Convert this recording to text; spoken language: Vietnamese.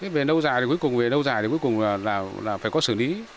về lâu dài thì cuối cùng là phải có xử lý